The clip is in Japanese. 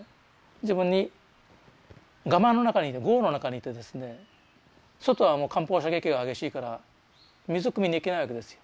自分にガマの中にいて壕の中にいてですね外はもう艦砲射撃が激しいから水をくみに行けないわけですよ。